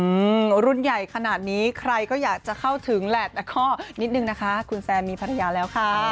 อืมรุ่นใหญ่ขนาดนี้ใครก็อยากจะเข้าถึงแหละแต่ข้อนิดนึงนะคะคุณแซนมีภรรยาแล้วค่ะ